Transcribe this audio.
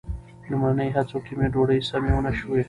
لومړني هڅو کې مې ډوډۍ سمې ونه شوې.